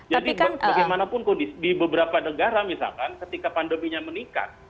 jadi bagaimanapun kondisi di beberapa negara misalkan ketika pandeminya meningkat